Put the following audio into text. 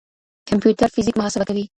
کمپيوټر فزيک محاسبه کوي.